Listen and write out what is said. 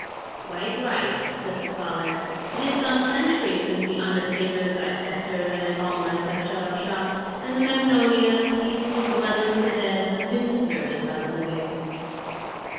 "Quite right," said the scholar; "it is some centuries since the undertakers, dissectors, and embalmers have shut up shop, and the Memnonia, peaceful dwellings of the dead, have been deserted by the living."